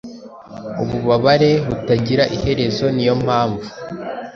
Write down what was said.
Ububabare butagira iherezo ni yo mpamvu